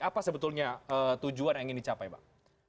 apa sebetulnya tujuan yang ingin dicapai bang